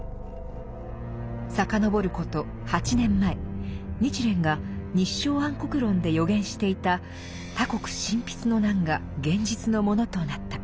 遡ること８年前日蓮が「立正安国論」で予言していた「他国侵の難」が現実のものとなった。